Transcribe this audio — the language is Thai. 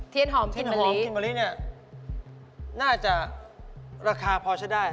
หอมเทียนหอมกินมะลิเนี่ยน่าจะราคาพอใช้ได้